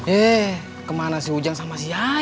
eh kemana si ujang sama si ian